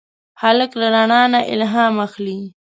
هلک له رڼا نه الهام اخلي.